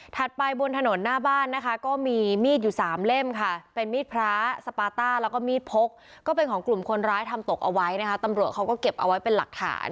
ไปบนถนนหน้าบ้านนะคะก็มีมีดอยู่สามเล่มค่ะเป็นมีดพระสปาต้าแล้วก็มีดพกก็เป็นของกลุ่มคนร้ายทำตกเอาไว้นะคะตำรวจเขาก็เก็บเอาไว้เป็นหลักฐาน